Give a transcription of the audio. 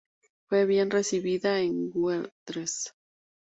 Fue bien recibida en Güeldres.